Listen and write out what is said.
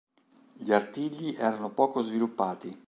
Gli artigli erano poco sviluppati.